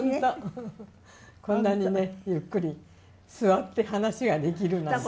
こんなにねゆっくり座って話ができるなんて。